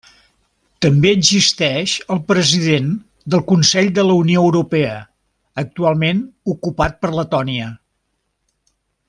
També existeix el President del Consell de la Unió Europea, actualment ocupat per Letònia.